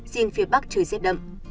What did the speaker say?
riêng phía bắc trời rét đậm